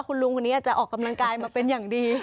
คุณลุงคนนี้อาจจะออกกำลังกายมาเป็นอย่างดี